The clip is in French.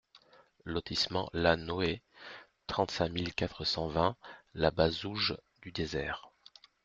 Lotissement La Noë, trente-cinq mille quatre cent vingt La Bazouge-du-Désert